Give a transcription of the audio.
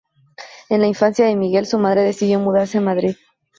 En la infancia de Miguel, su madre decidió mudarse a Madrid.